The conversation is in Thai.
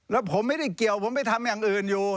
แล้วผมไม่ได้เกี่ยวผมไปทำอย่างอื่นอยู่